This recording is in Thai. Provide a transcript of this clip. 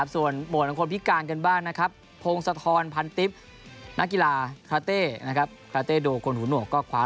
ส่วนผลของพิการเกินไปกันโปรงศรษฐรพันณ์ติส๙๐๐นนักกีฬาคาเต้ขวารางวัลพิการหญิง